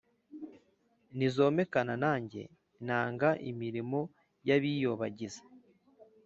Ntizomekana nanjye nanga imirimo y’abiyobagiza